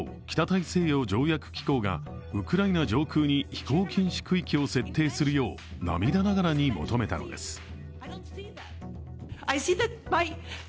ＮＡＴＯ＝北大西洋条約機構がウクライナ上空に飛行禁止区域を設定するよう涙ながらに求めたのです。